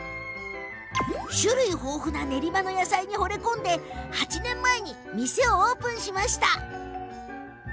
種類豊富な練馬の野菜にほれ込んで、８年前に店をオープンしました。